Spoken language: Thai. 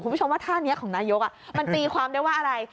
คุณผู้ชมว่าท่านี้ของนายกมันตีความได้ว่าอะไร